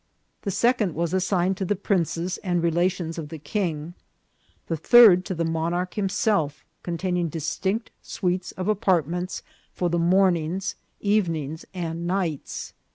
The second ROYAL PALACE OF QUICHE. 179 was assigned to the princes and relations of the king ; the third to the monarch himself, containing distinct suites of apartments for the mornings, evenings, and nights.